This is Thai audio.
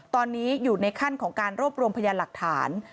ตอนนี้อยู่ในขั้นของการรวบรวมพยานหลักฐาน